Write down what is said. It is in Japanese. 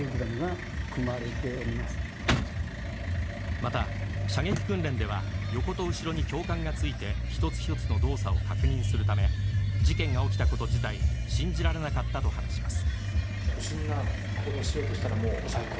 また、射撃訓練では横と後ろに教官がついて一つ一つの動作を確認するため事件が起きたこと自体信じられなかったと話します。